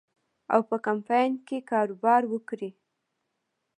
او په کمپاین کې کاروبار وکړي.